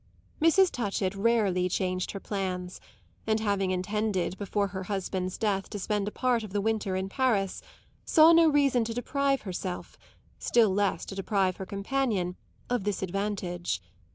Mrs. Touchett rarely changed her plans, and, having intended before her husband's death to spend a part of the winter in Paris, saw no reason to deprive herself still less to deprive her companion of this advantage.